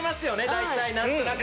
大体なんとなく。